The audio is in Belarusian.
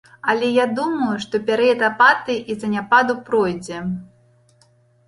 Але я думаю, што перыяд апатыі і заняпаду пройдзе.